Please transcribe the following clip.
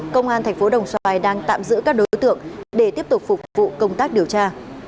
công an thành phố đồng xoài đang tạm giữ các đối tượng để tiếp tục phục vụ công tác điều tra